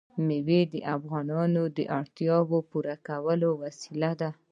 مېوې د افغانانو د اړتیاوو د پوره کولو وسیله ده.